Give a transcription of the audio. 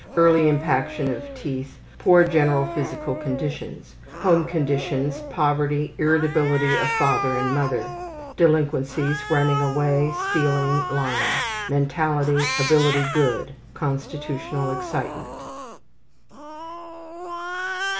Early impaction of teeth. Poor general physical conditions. Home conditions: Poverty. Irritability of father and mother. Delinquencies: Mentality: Running away. Ability good; Stealing. Constitutional Lying. excitement.